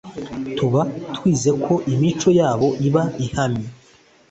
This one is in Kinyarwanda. tuba twiteze ko imico yabo iba ihamye